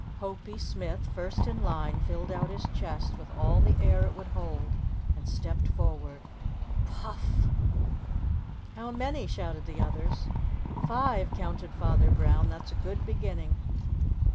Hopie Smith, first in line, filled out his chest with all the air it would hold, and stepped forward. Puff! "How many?" shouted the others. "Five," counted Father Brown, "that's a good beginning."